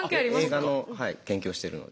映画の研究をしているので。